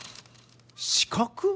四角？